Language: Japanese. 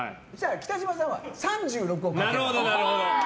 北島さんは３６をかける。